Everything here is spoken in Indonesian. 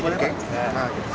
karena pada saat itu